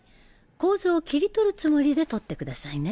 構図を切り取るつもりで撮ってくださいね。